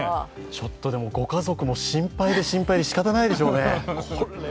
ちょっとご家族も心配で心配でしかたないですね。